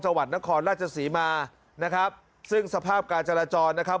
จังหวัดนครราชศรีมานะครับซึ่งสภาพการจราจรนะครับ